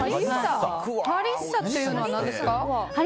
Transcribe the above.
ハリッサっていうのは何ですか？